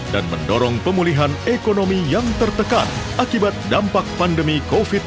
dan mendorong pemulihan ekonomi yang tertekan akibat dampak pandemi covid sembilan belas